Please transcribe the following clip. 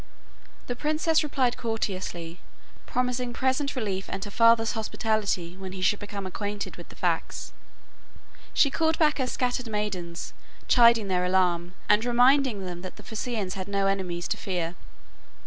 The princess replied courteously, promising present relief and her father's hospitality when he should become acquainted with the facts. She called back her scattered maidens, chiding their alarm, and reminding them that the Phaeacians had no enemies to fear.